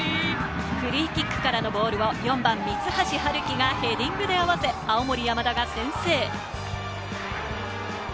フリーキックからのボールを４番・三橋春希がヘディングで合わせ、青森山田が先制。